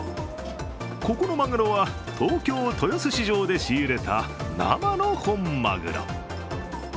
ここのマグロは東京・豊洲市場で仕入れた生の本マグロ。